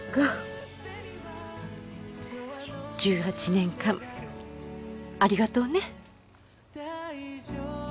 １８年間ありがとうね。